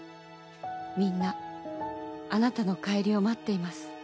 みんなあなたの帰りを待っています。